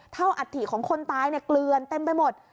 อัฐิของคนตายเนี่ยเกลือนเต็มไปหมด